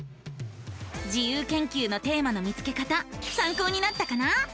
自由研究のテーマの見つけ方さんこうになったかな？